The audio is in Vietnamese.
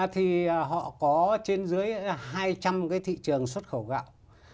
thì họ có trên dưới hai trăm linh cái thị trường xuất khẩu gạo